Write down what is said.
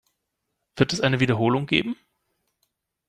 Wird es eine Wiederholung geben?